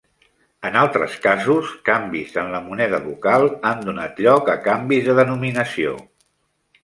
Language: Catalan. En altres casos, canvis en la moneda local han donat lloc a canvis de denominació.